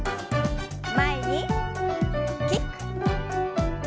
前にキック。